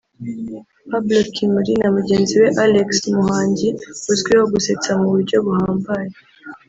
Pablo Kimuli na mugenzi we Alex Muhangi uzwiho gusetsa mu buryo buhambaye